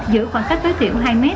giữ khoảng cách giới thiệu hai m